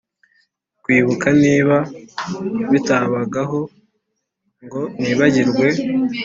kwibuka niba bitabagaho ngo nibagirwe